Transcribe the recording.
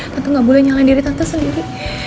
tante gak boleh nyalain diri tante sendiri